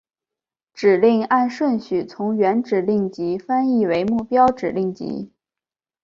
指令按顺序从原指令集翻译为目标指令集。